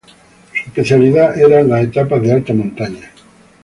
Su especialidad eran las etapas de alta montaña.